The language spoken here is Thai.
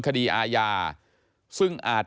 คดีอาญาซึ่งอาจ